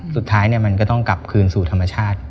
สุดท้ายมันก็ต้องกลับคืนสู่ธรรมชาติ